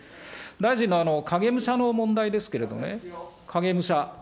大臣の影武者の問題ですけれどもね、影武者。